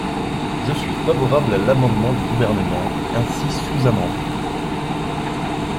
Je suis favorable à l’amendement du Gouvernement ainsi sous-amendé.